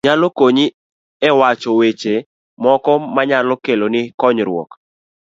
Gima iberie no nyalo konyi e wacho weche moko manyalo keloni konyruok.